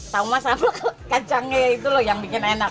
taunya sama kacangnya itu loh yang bikin enak